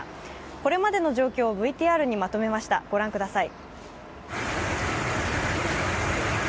これまでの状況をＶＴＲにまとめました、ご覧ください。